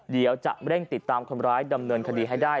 เดี๋ยวจะเร่งติดตามคนร้ายดำเนินคดีให้ได้